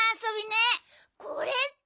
これって。